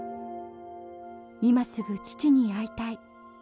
今すぐ父に会いたい。